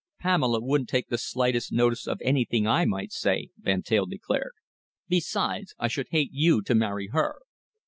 "Pamela wouldn't take the slightest notice of anything I might say," Van Teyl declared. "Besides, I should hate you to marry her."